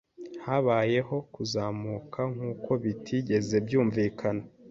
Habayeho kuzamuka nkuko bitigeze byumvikana